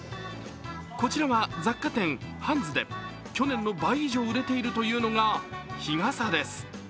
こちらは雑貨店ハンズで、去年の倍以上売れているというのが日傘です。